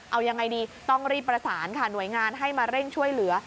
เอายังไงดีต้องรีบประสานค่ะหน่วยงานให้มาเร่งช่วยเหลือ